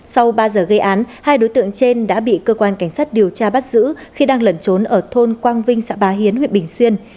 sau ba giờ gây án hai đối tượng trên đã bị cơ quan cảnh sát điều tra bắt giữ khi đang lẩn trốn ở thôn quang vinh xã bá hiến huyện bình xuyên